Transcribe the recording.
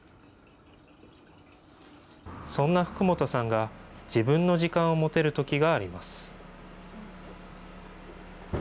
そんな福元さんが、自分の時間を持てるときがあります。